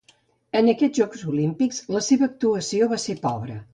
En aquests Jocs Olímpics, la seva actuació va ser pobra.